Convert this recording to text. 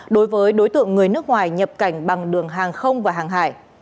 đối với đối tượng người nước ngoài nhập cảnh bằng đường hàng không và hàng hải